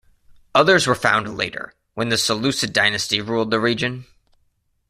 Others were founded later, when the Seleucid dynasty ruled the region.